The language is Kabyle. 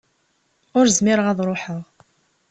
Ur zmireɣ ad ruḥeɣ.